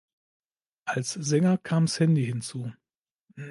Als Sänger kam Sandy hinzu.